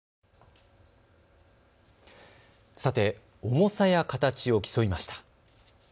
重さや形を競いました。